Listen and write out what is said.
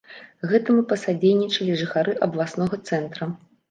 Гэтаму пасадзейнічалі жыхары абласнога цэнтра.